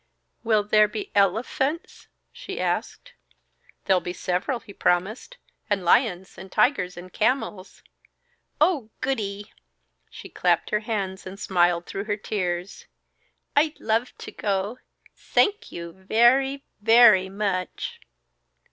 "Will there be ele phunts?" she asked. "There'll be several," he promised. "And lions and tigers and camels." "Oh, goody!" she clapped her hands and smiled through her tears. "I'd love to go. Sank you very, very much."